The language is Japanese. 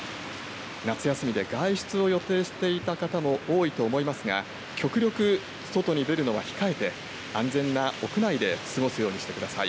夏休みで外出を予定していた方も多いと思いますが、極力外に出るのは控えて安全な屋内で過ごすようにしてください。